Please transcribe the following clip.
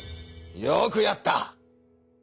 よくやった！